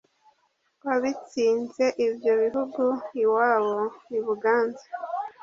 Wabitsinze ibyo bihugu iwabo i Buganza